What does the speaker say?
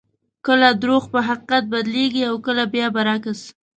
کله درواغ په حقیقت بدلېږي او کله بیا برعکس.